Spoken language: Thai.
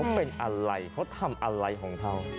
เป็นอะไรเขาทำอะไรของเขา